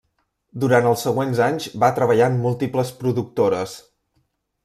Durant els següents anys va treballar en múltiples productores.